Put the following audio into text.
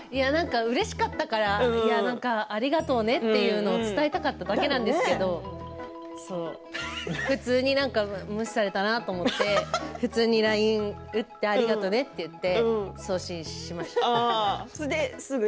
うれしかったからありがとうねっていうのを伝えたかっただけなんですけれどもそう、普通に無視されたなと思って普通にＬＩＮＥ打ってありがとねって送信しました。